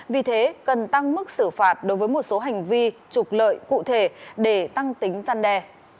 vì thế cần tăng mức xử phạt đối với một số hành vi trục lợi cụ thể để tăng tính gian đe